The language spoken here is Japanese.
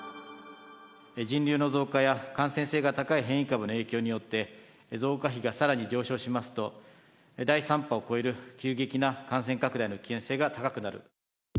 人流の増加や感染性が高い変異株の影響によって、増加比がさらに上昇しますと、第３波を超える急激な感染拡大の危険性が高くなる。